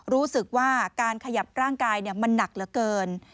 รู้สึกว่าการขยับร่างกายมันหนักเหลือเกิน